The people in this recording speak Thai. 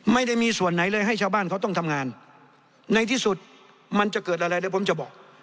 ไม่ได้มีส่วนไหนเลยให้ชาวบ้านเขาต้องทำงานในที่สุดมันจะเกิดอะไรเดี๋ยวผมจะบอก